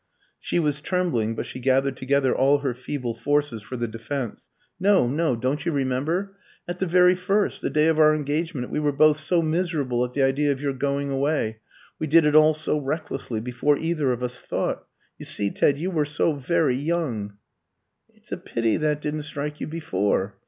She was trembling, but she gathered together all her feeble forces for the defence. "No, no; don't you remember? At the very first the day of our engagement we were both so miserable at the idea of your going away we did it all so recklessly before either of us thought. You see, Ted, you were so very young." "It's a pity that didn't strike you before."